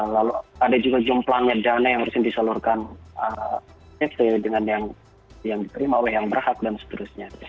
lalu ada juga jomplangnya dana yang harus disalurkan dengan yang diterima oleh yang berhak dan seterusnya